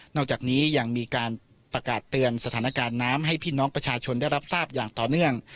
จากนี้ยังมีการประกาศเตือนสถานการณ์น้ำให้พี่น้องประชาชนได้รับทราบอย่างต่อเนื่อง